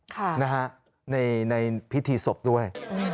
ค่ะในพิธีศพด้วย